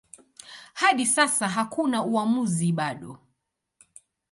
Hadi sasa hakuna uamuzi bado.